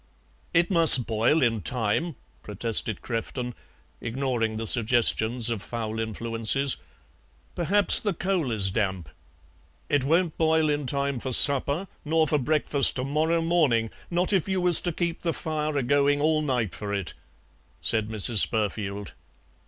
"It must boil in time," protested Crefton, ignoring the suggestions of foul influences. "Perhaps the coal is damp." "It won't boil in time for supper, nor for breakfast to morrow morning, not if you was to keep the fire a going all night for it," said Mrs. Spurfield.